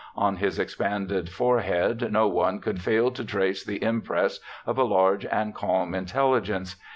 On his expanded forehead no one could fail to trace the impress of a large and calm intelligence.